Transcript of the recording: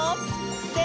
せの！